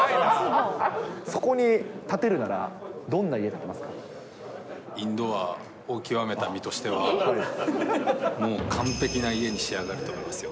そこに建てるなら、インドアを極めた身としては、もう完璧な家に仕上がると思いますよ。